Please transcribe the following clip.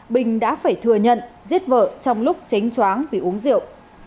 bình đã phải thừa nhận giết vợ trong lúc tránh choáng vì uống rượu